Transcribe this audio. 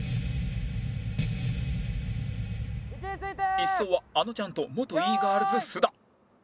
１走はあのちゃんと元 Ｅ−ｇｉｒｌｓ 須田